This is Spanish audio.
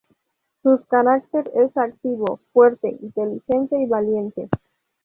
Sus carácter es activo, fuerte, inteligente y valiente.